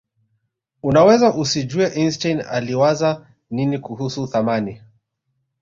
unaweza usijuie einstein aliwaza nini kuhusu thamani